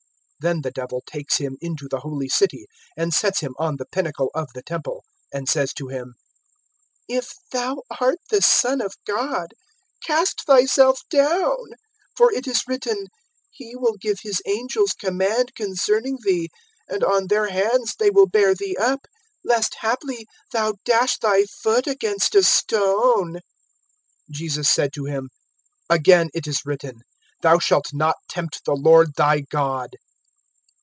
(5)Then the Devil takes him into the holy city, and sets him on the pinnacle of the temple, (6)and says to him: If thou art the Son of God, cast thyself down; for it is written: He will give his angels command concerning thee; And on their hands they will bear thee up, Lest haply thou dash thy foot against a stone. (7)Jesus said to him: Again it is written, Thou shalt not tempt the Lord thy God.